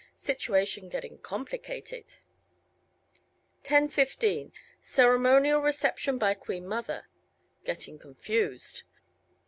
Situation getting complicated. 10:15 Ceremonial reception by Queen Mother. Getting confused.